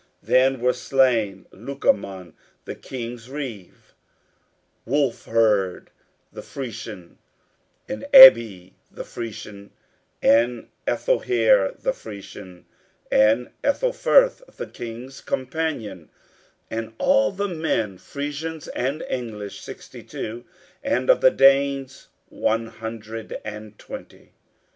Then were slain Lucumon, the King's Reeve, Wulfheard the Frisian, and Æbbe the Frisian, and Æthelhere the Frisian, and Æthelferth the King's companion, and of all the men Frisians and English, sixty two; and of the Danes, one hundred and twenty.